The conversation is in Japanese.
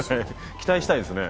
期待したいですね。